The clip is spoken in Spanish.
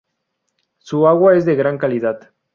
Su agua es de gran calidad.